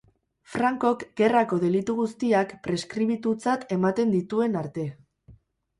Frankok gerrako delitu guztiak preskribitutzat ematen dituen arte.